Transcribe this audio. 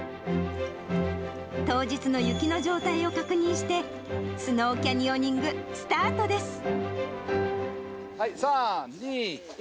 当日の雪の状態を確認して、スノーキャニオニング、スタート３、２、１。